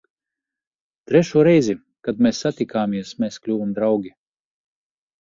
Trešo reizi, kad mēs satikāmies, mēs kļuvām draugi.